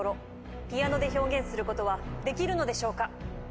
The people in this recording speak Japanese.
ピアノで表現することはできるのでしょうか？